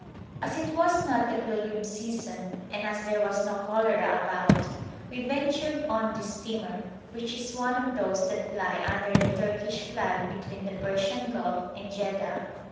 As it was not the pilgrim season, and as there was no cholera about, we ventured on this steamer, which is one of those that ply under the Turkish flag between the Persian Gulf and Jedda.